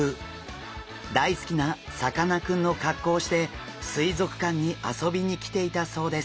大好きなさかなクンの格好をして水族館に遊びに来ていたそうです。